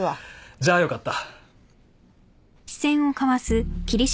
じゃあよかった。